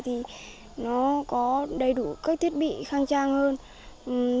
thì nó có đầy đủ các thiết bị khang trang hơn